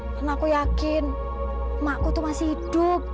karena aku yakin emakku itu masih hidup